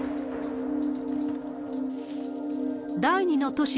第２の都市